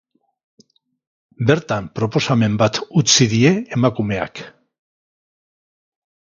Bertan proposamen bat utzi die emakumeak.